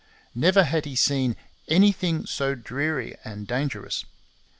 Never had he seen 'anything so dreary and dangerous.'